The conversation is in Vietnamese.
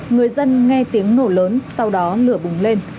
người dân nghe tiếng nổ lớn sau đó lửa bùng lên